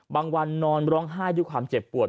วันนอนร้องไห้ด้วยความเจ็บปวด